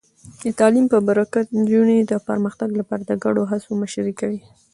د تعلیم په برکت، نجونې د پرمختګ لپاره د ګډو هڅو مشري کوي.